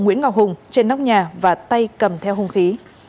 nguyễn ngọc hùng trên nóc nhà và tay cầm theo hung khí